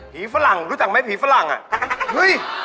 ผีฝรั่งรู้จักไหมผีฝรั่งน่ะ